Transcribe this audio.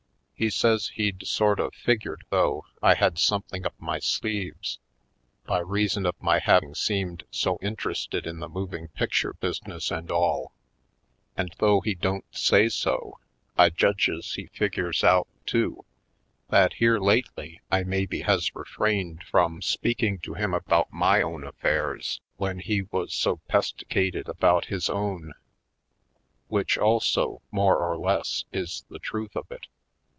He says he'd sort of figured, though, I had something up my sleeves, by reason of my having seemed so interested in the moving picture business and all. And though he don't say so, I judges he figures out, too, that here lately I maybe has refrained from 256 /. Poindexter^ Colored speaking to him about my own affairs when he was so pesticated about his own — ^which also, more or less, is the truth of it.